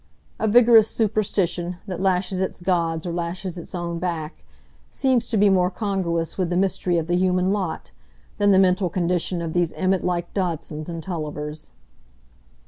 A vigorous superstition, that lashes its gods or lashes its own back, seems to be more congruous with the mystery of the human lot, than the mental condition of these emmet like Dodsons and Tullivers.